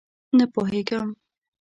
_نه پوهېږم!